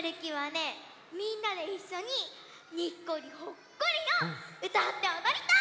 みんなでいっしょに「にっこりほっこり」をうたっておどりたい！